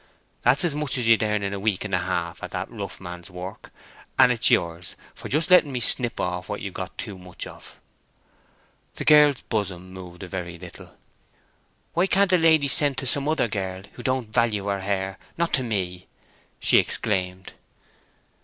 "That's as much as you'd earn in a week and a half at that rough man's work, and it's yours for just letting me snip off what you've got too much of." The girl's bosom moved a very little. "Why can't the lady send to some other girl who don't value her hair—not to me?" she exclaimed.